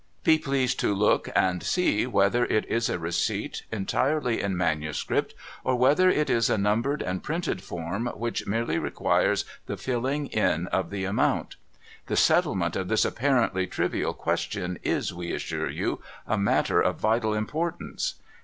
Be pleased to look and see whether it is a receipt entirely in manuscript, or whether it is a numbered and printed form which merely requires the filling in of the amount. The settlement of this apparently trivial question is, we assure you, a matter of vital importance.